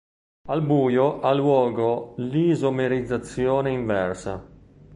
Al buio ha luogo l'isomerizzazione inversa.